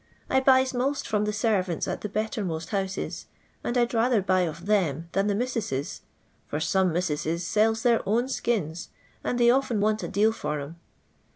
I buys most /rom the servants at the bet termost houses, and I 'd rather buy of then than the missnsses^ tor some missussea aelli their own skins, and they often want a deal tar 'an.